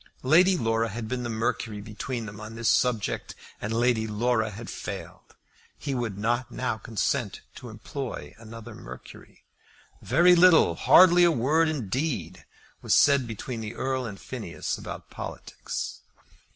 Lady Laura had been the Mercury between them on this subject, and Lady Laura had failed. He would not now consent to employ another Mercury. Very little, hardly a word indeed, was said between the Earl and Phineas about politics.